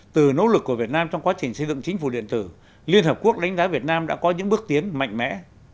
từ nỗ lực của việt nam trong quá trình xây dựng chính phủ điện tử liên hợp quốc đánh giá việt nam đã có những bước tiến mạnh mẽ